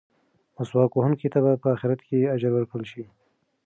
مسواک وهونکي ته به په اخرت کې اجر ورکړل شي.